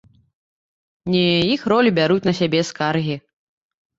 Не, іх ролю бяруць на сябе скаргі.